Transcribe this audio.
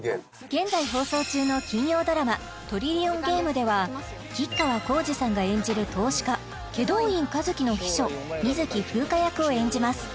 現在放送中の金曜ドラマ「トリリオンゲーム」では吉川晃司さんが演じる投資家祁答院一輝の秘書水樹風華役を演じます